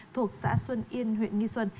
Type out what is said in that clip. thuộc xã xuân yên huyện nghi xuân